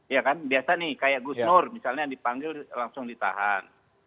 ya kan biasa nih kayak gus nur misalnya yang dipanggil langsung ditahan